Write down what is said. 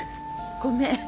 ごめん。